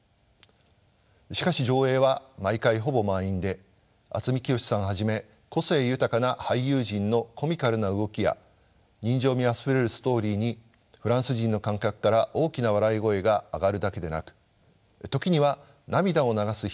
しかし上映は毎回ほぼ満員で渥美清さんはじめ個性豊かな俳優陣のコミカルな動きや人情味あふれるストーリーにフランス人の観客から大きな笑い声が上がるだけでなく時には涙を流す人もいるほどです。